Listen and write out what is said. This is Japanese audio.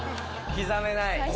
刻めない。